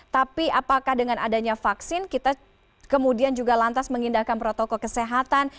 tapi apakah dengan adanya vaksin kita kemudian juga lantas mengindahkan protokol kesehatan